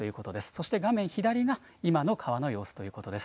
そして画面左が今の川の様子ということです。